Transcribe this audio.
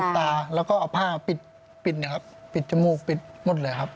ปิดตาแล้วก็อับภาพปิดนะคะปิดจมูกปิดหมดเลยนะครับ